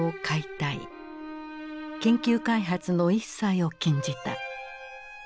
研究開発の一切を禁じた。